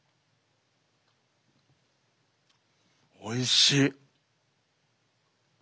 おいしい。